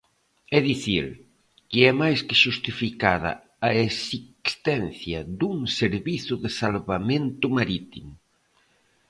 É dicir, que é máis que xustificada a existencia dun servizo de salvamento marítimo.